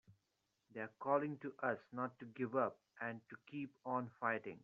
They're calling to us not to give up and to keep on fighting!